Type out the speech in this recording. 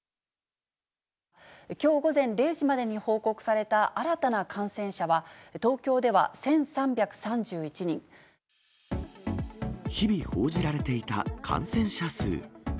きょう午前０時までに報告された新たな感染者は、日々報じられていた感染者数。